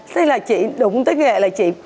thế là chị đúng tới nghĩa là chị